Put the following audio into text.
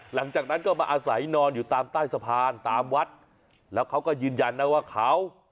หลังจากนั้นก็มาอาศัยนอนอยู่ตามใต้สะพานตามวัดแล้วเขาก็ยืนยันนะว่าเขา